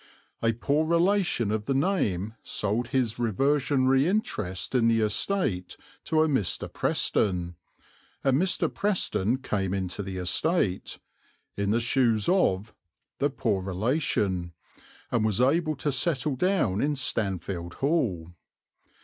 A poor relation of the name sold his reversionary interest in the estate to a Mr. Preston, and Mr. Preston came into the estate, "in the shoes of" the poor relation, and was able to settle down in Stanfield Hall.